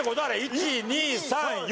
１２３４。